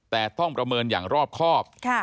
แต่ต้องประเมินอย่างรอบครอบ